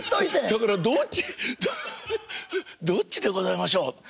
だからどっちどっちでございましょうっていう。